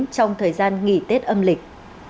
trong thời gian nghỉ tết âm lịch